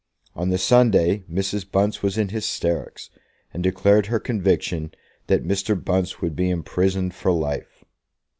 On the Sunday Mrs. Bunce was in hysterics, and declared her conviction that Mr. Bunce would be imprisoned for life.